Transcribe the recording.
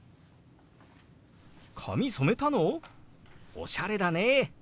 おしゃれだね」。